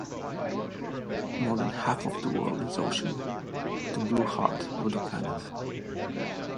More than half of the world is ocean, the blue heart of the planet.